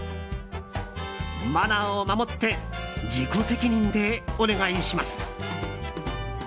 マナーを守って自己責任でお願いします！